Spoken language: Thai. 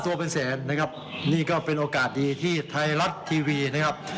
ตัวเป็นแสนนะครับนี่ก็เป็นโอกาสดีที่ไทยรัฐทีวีนะครับ